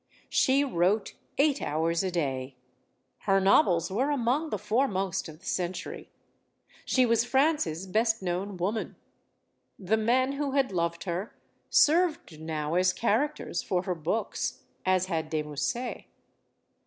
She wrote eight hours a day. Her novels were among the foremost of the century. She was France's best known woman. The men who had loved her served now as characters for her books, as had de Musset.